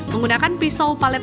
menggunakan pisau palet